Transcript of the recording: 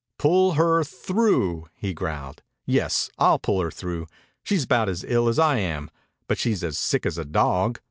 "Pull her through! he growled. "Yes, 1*11 pull her through. She*s about as ill as I am, but she*s as sick as a dog.